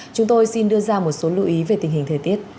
chúng tôi xin đưa ra một số lưu ý về tình hình thời tiết